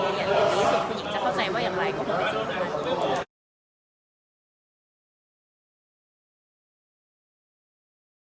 ก็อย่างนี้จะเข้าใจว่าอย่างไรก็คงเป็นสิ่งที่สุด